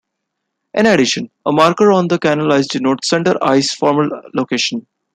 In addition, a marker on the canal ice denotes center ice's former location.